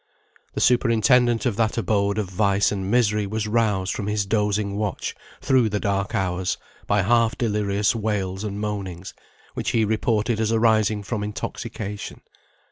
The superintendent of that abode of vice and misery was roused from his dozing watch through the dark hours, by half delirious wails and moanings, which he reported as arising from intoxication.